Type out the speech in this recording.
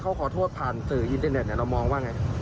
เขาขอโทษผ่านสื่ออินเตอร์เน็ตเรามองว่าไง